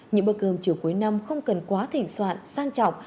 những bữa cơm chiều cuối năm không cần quá thỉnh soạn sang trọng